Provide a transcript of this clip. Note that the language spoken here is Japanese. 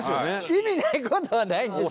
意味ない事はないんですけど。